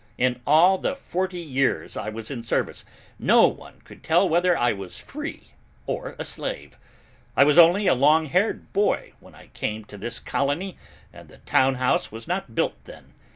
In all the forty years I was in service, no one could tell whether I was free or a slave. I was only a long haired boy when I came to this colony and the town house was not built then.